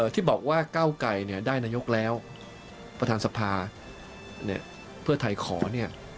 ที่บอกว่าก้าวไกรเนี่ยได้นายกแล้วประธานสภาเนี่ยเพื่อไทยขอเนี่ย